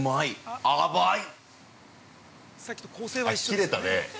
◆切れたね。